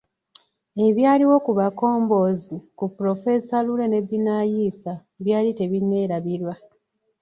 Ebyaliwo ku Bakomboozi ku polofeesa Lule ne Binaisa byali tebinneerabirwa.